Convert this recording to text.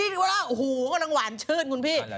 พี่รู้แล้วหูกำลังหวานชื่นคุณพี่